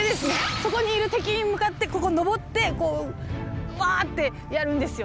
そこにいる敵に向かってここ上ってこうワーッてやるんですよ。